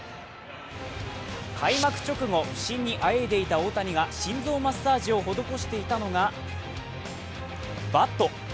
開幕直後、不振にあえいでいた大谷が心臓マッサージを施していたのがバット。